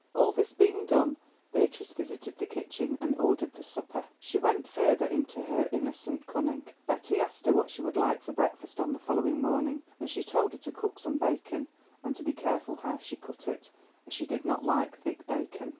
All this being done, Beatrice visited the kitchen and ordered the supper. She went further in her innocent cunning. Betty asked her what she would like for breakfast on the following morning, and she told her to cook some bacon, and to be careful how she cut it, as she did not like thick bacon.